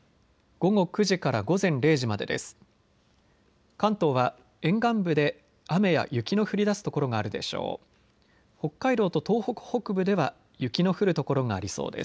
午後９時から午前０時までです。